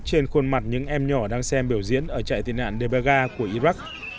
trên khuôn mặt những em nhỏ đang xem biểu diễn ở trại tị nạn debaga của iraq